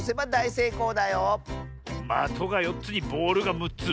まとが４つにボールが６つ。